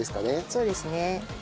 そうですね。